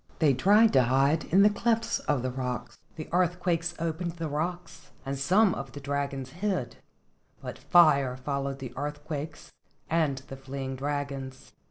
They tried to hide in the clefts of the rocks. The earthquakes opened the rocks and some of the dragons hid, but fire followed the earthquakes and the fleeing dragons.